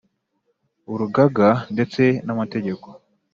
urugaga ndetse n amategeko